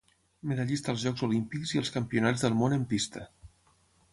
Medallista als Jocs Olímpics i als Campionats del món en pista.